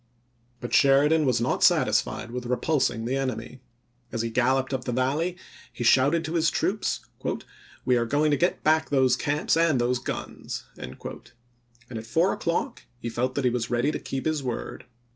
But Sheridan was not satisfied with repulsing the enemy. As he galloped up the Valley he had shouted to his troops, " We are going to get back those camps and those guns !" and at four o'clock he felt that he was ready to keep his word.